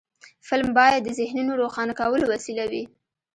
فلم باید د ذهنونو روښانه کولو وسیله وي